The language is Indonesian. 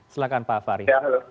silakan pak fahri